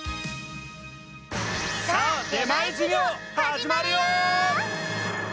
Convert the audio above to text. さあ出前授業はじまるよ！